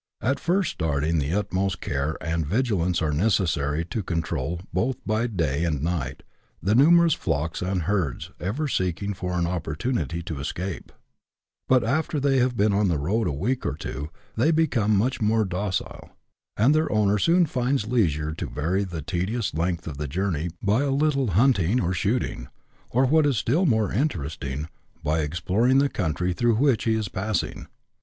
At first starting the utmost care and vigilance are necessary to control, both by day and night, the numerous flocks and herds, ever seeking for an oppor tunity to escape ; but after they have been on the road a week or two, they become much more docile, and their owner soon finds leisure to vary the tedious length of the journey by a little hunting or shooting, or, what is still more interesting, by exploring the country through which he is passing.